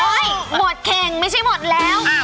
โอ๊ยหมดเข็งไม่ใช่หมดแล้วอ้าว